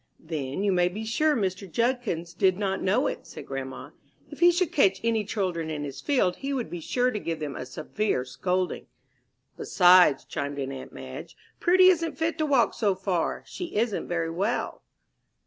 "Then you may be sure Mr. Judkins did not know it," said grandma. "If he should catch any children in his field, he would be sure to give them a severe scolding." "Besides," chimed in aunt Madge, "Prudy isn't fit to walk so far she isn't very well."